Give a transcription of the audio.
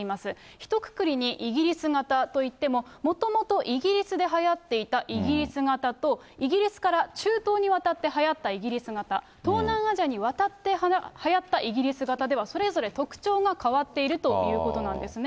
ひとくくりにイギリス型といっても、もともとイギリスではやっていたイギリス型と、イギリスから中東に渡ってはやったイギリス型、東南アジアに渡ってはやったイギリス型では、それぞれ特徴が変わっているということなんですね。